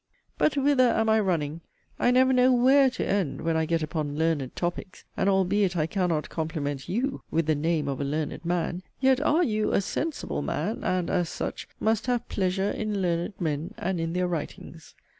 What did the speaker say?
But whither am I running? I never know where to end, when I get upon 'learned topics.' And albeit I cannot compliment 'you' with the 'name of a learned man,' yet are you 'a sensible man'; and ('as such') must have 'pleasure' in 'learned men,' and in 'their writings.'